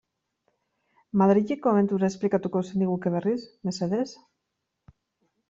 Madrileko abentura esplikatuko zeniguke berriz, mesedez?